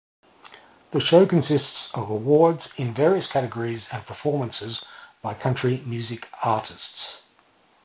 The show consists of awards in various categories and performances by country music artists.